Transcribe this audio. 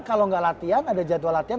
kalau nggak latihan ada jadwal latihan